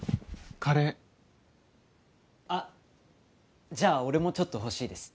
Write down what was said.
カレーあっじゃあ俺もちょっと欲しいです